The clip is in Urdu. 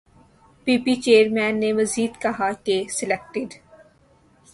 پی پی چیئرمین نے مزید کہا کہ سلیکٹڈ